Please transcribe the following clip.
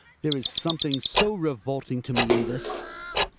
There is something so revolting to me in this